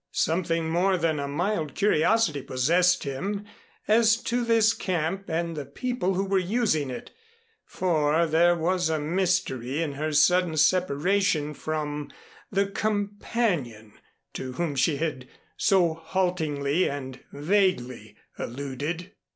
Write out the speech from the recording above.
Something more than a mild curiosity possessed him as to this camp and the people who were using it; for there was a mystery in her sudden separation from the "companion" to whom she had so haltingly and vaguely alluded.